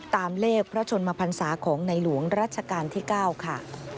ตามเลขพระชนมพันศาของในหลวงรัชกาลที่๙ค่ะ